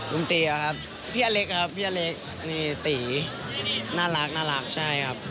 ตีอะครับพี่อเล็กครับพี่อเล็กนี่ตีน่ารักใช่ครับ